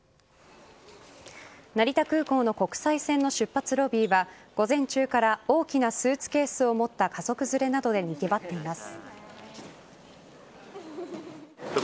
成田空港の国際線の出発ロビーは午前中から大きなスーツケースを持った家族連れなどでにぎわっています。